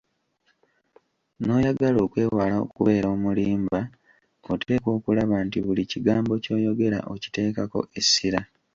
Ng'oyagala okwewala okubeera omulimba oteekwa okulaba nti buli kigambo ky'oyogera okiteekako essira.